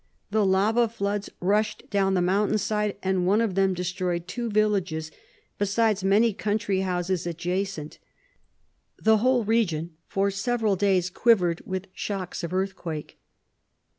The lava floods rushed down the mountain side; and one of them destroyed two villages, besides many country houses adjacent. The whole region for several days quivered with shocks of earthquake.